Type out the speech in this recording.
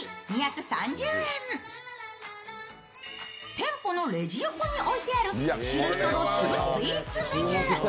店舗のレジ横に置いてある知る人ぞ知るスイーツメニュー。